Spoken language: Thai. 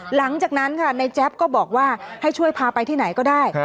หลังจากนั้นค่ะในแจ๊บก็บอกว่าให้ช่วยพาไปที่ไหนก็ได้